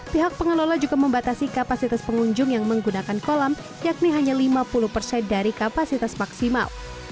pihak pengelola juga membatasi kapasitas pengunjung yang menggunakan kolam yakni hanya lima puluh persen dari kapasitas maksimal